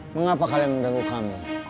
mengapa kalian mengganggu kami